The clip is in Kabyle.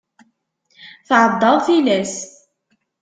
Tɛeddaḍ tilas.